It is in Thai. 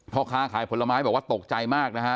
พ่อค้าขายผลไม้บอกว่าตกใจมากนะฮะ